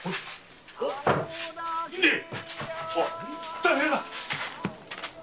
大変だ。